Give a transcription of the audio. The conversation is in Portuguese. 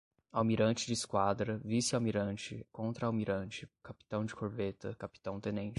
Almirante de Esquadra, Vice-Almirante, Contra-Almirante, Capitão de Corveta, Capitão-Tenente